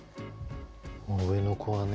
上の子はね